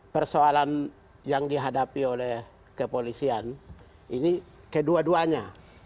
persoalan yang dihadapi oleh kepolisian ini kedua duanya